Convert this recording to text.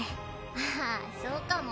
ああそうかも。